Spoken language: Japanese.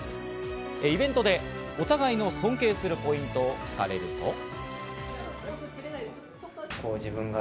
イベントでお互いの尊敬するポイントを聞かれると。